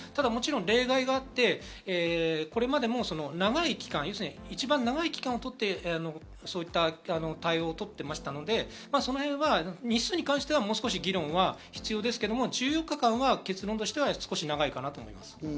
もちろん例外があって、これまでも長い期間、要するに一番長い期間を取って対応を取っていましたので、日数に関してはもう少し議論が必要ですけど、１４日間は結論としては少し長いかなと思います。